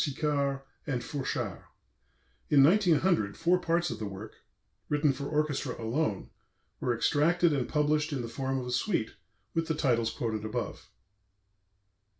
Sicard and Fourchard. In 1900 four parts of the work, written for orchestra alone, were extracted and published in the form of a suite, with the titles quoted above.